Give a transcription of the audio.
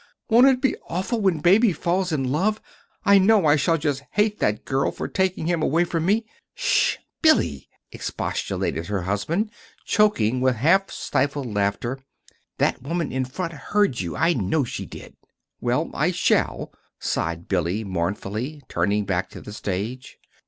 Won't it be awful when Baby falls in love? I know I shall just hate that girl for taking him away from me!" "Sh h! Billy!" expostulated her husband, choking with half stifled laughter. "That woman in front heard you, I know she did!" "Well, I shall," sighed Billy, mournfully, turning back to the stage.